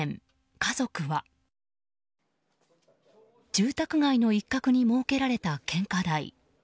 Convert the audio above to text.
住宅街の一角に設けられた献花台。